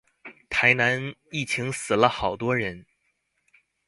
台南疫情死了好多人